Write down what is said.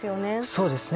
そうですね。